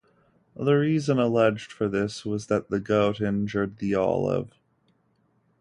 The reason alleged for this was that the goat injured the olive.